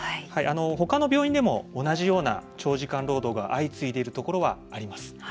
ほかの病院でも同じような長時間労働が相次いでいるところはあります。